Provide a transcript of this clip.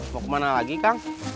mau ke mana lagi kang